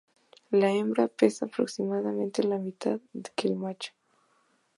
La hembra pesa aproximadamente la mitad que el macho.